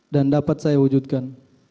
dan dapat saya wujudkan